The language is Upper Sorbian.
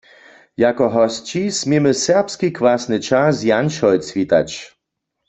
Jako hosći směmy Serbski kwasny ćah z Janšojc witać.